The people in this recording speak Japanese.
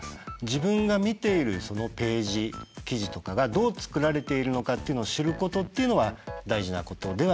自分が見ているそのページ記事とかがどう作られているのかっていうのを知ることっていうのは大事なことではありますね。